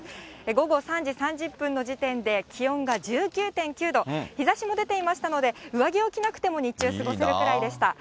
午後３時３０分の時点で、気温が１９．９度、日ざしも出ていましたので、上着を着なくても日中、過ごせるくらいでした。